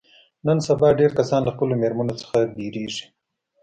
نن سبا ډېری کسان له خپلو مېرمنو څخه ډارېږي.